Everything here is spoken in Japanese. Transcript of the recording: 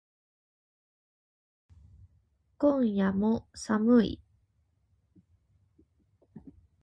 今夜も寒い